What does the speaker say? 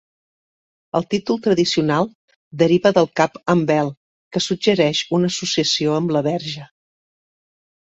El títol tradicional deriva del cap amb vel, que suggereix una associació amb la Verge.